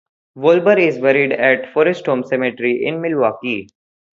Wallber is buried at Forest Home Cemetery in Milwaukee.